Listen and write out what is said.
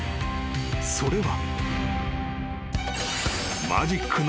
それは］